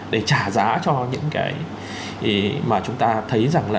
để trả giá cho những cái mà chúng ta thấy rằng là